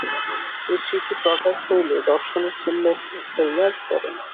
এই স্মৃতি প্রগাঢ় হইলে দর্শনের তুল্য হইয়া পড়ে।